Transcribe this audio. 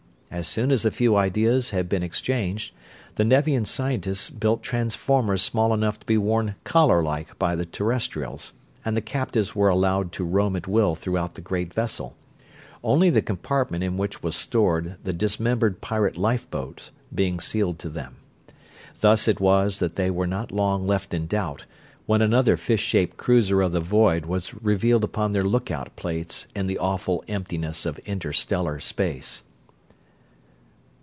As soon as a few ideas had been exchanged, the Nevian scientists built transformers small enough to be worn collar like by the Terrestrials, and the captives were allowed to roam at will throughout the great vessel; only the compartment in which was stored the dismembered pirate lifeboats being sealed to them. Thus it was that they were not left long in doubt, when another fish shaped cruiser of the world was revealed upon their lookout plates in the awful emptiness of interstellar space.